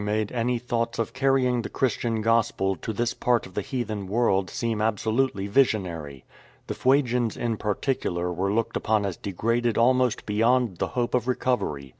Q 241 DARWIN'S TESTIMONY long made^ny thoughts of carrying the Christian Gospel to this part of the heathen world seem absolutely visionary. The Fuegians in particular were looked upon as degraded almost beyond the hope of recovei'y.